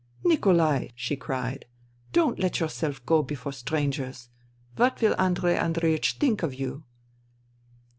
" Nikolai !" she cried, " don't let yourself go before strangers. What will Andrei Andreiech think of you